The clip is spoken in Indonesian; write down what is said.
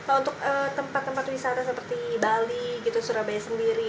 untuk tempat tempat wisata seperti bali surabaya sendiri